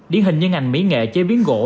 điển hình như ngành mỹ nghệ chế biến gỗ